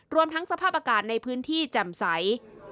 รวมทั้งสภาพอากาศในพื้นที่แจ่มใส